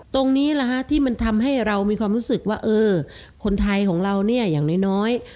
ตรงนี้แหละฮะที่มันทำให้เรามีความรู้สึกว่าเออคนไทยของเราเนี่ยอย่างน้อย